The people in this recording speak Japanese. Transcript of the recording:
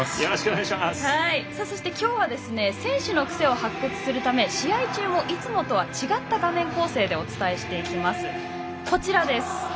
そして、きょうは選手のクセを発掘するため試合中もいつもとは違った画面構成でお伝えしていきます。